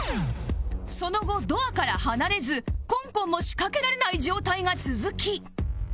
その後ドアから離れずコンコンも仕掛けられない状態が続き